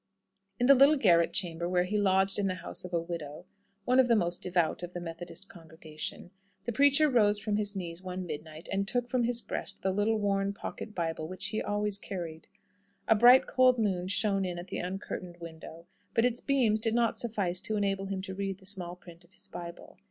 In the little garret chamber, where he lodged in the house of a widow one of the most devout of the Methodist congregation the preacher rose from his knees one midnight, and took from his breast the little, worn pocket Bible, which he always carried. A bright cold moon shone in at the uncurtained window, but its beams did not suffice to enable him to read the small print of his Bible.